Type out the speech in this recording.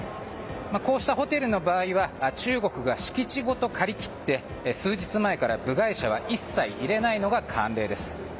こうしたホテルの場合は中国が敷地ごと借り切って、数日前から部外者は一切入れないのが慣例です。